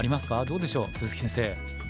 どうでしょう鈴木先生。